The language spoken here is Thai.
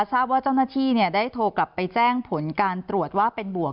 ทราบว่าเจ้าหน้าที่ได้โทรกลับไปแจ้งผลการตรวจว่าเป็นบวก